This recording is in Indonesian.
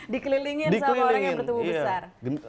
dikelilingin sama orang yang bertubuh besar